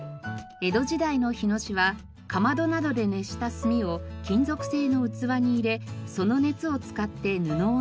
江戸時代の火のしはかまどなどで熱した炭を金属製の器に入れその熱を使って布を伸ばします。